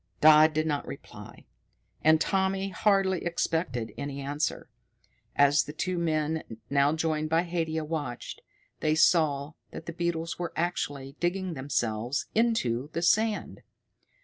Dodd did not reply, and Tommy hardly expected any answer. As the two men, now joined by Haidia, watched, they saw that the beetles were actually digging themselves into the sand.